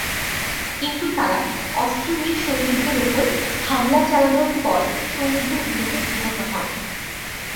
কিন্তু তারা অস্ত্র নিয়ে সৈনিকদের উপর হামলা চালানোর পর সৈনিকদের গুলিতে নিহত হন।